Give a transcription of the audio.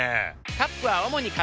カップは主に紙。